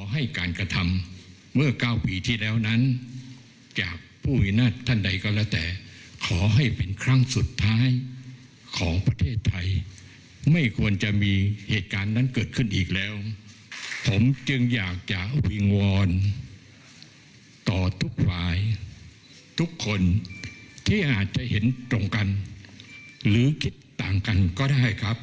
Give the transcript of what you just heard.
หรือคิดต่างกันก็ได้ครับ